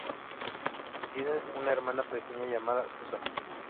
Tiene una hermana pequeña llamada Susanne.